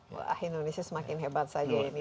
wah indonesia semakin hebat saja ini